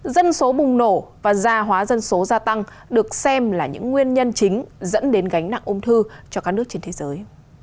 dân số bùng nổ và gia hóa dân số gia tăng được xem là những nguyên nhân chính dẫn đến gánh nặng ung thư cho các nước trên thế giới